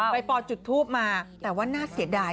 ปอจุดทูปมาแต่ว่าน่าเสียดาย